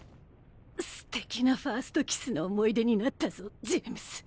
ステキなファーストキスの思い出になったぞジェームス。